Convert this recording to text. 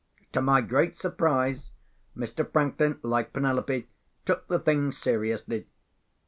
To my great surprise, Mr. Franklin, like Penelope, took the thing seriously.